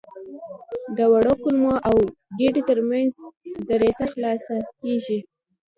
د وړو کولمو او ګیدې تر منځ دریڅه خلاصه کېږي.